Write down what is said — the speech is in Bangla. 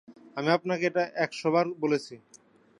আমি আপনাকে এটা একশবার বলেছি।